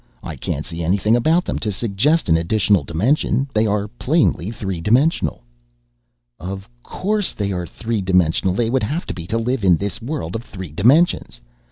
I can't see anything about them to suggest an additional dimension. They are plainly three dimensional." "Of course they are three dimensional. They would have to be to live in this world of three dimensions.